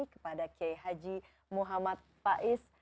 kepada kiai haji muhammad faiz